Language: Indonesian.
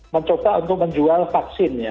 mencoba untuk menjual vaksin ya